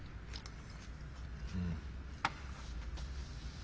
うん。